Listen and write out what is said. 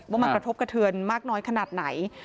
ว่ามันกระทบกระเทือนมากน้อยขนาดไหน